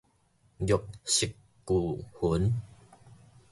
玉石俱焚